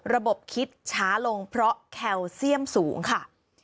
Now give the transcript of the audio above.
คิดช้าลงเพราะแคลเซียมสูงค่ะ